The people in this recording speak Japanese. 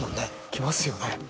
きますよね。